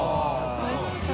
おいしそう。